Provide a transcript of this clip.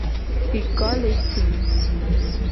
Siko le tim.